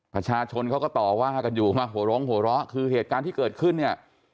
ประชาชนเขาก็ต่อว่ากันอยู่มาหัวโรงหัวเราะคือเหตุการณ์ที่เกิดขึ้นเนี่ย